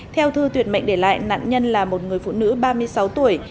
theo thư tuyệt mệnh để lại nạn nhân là một người phụ nữ ba mươi sáu tuổi